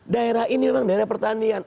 daerah ini memang daerah pertanian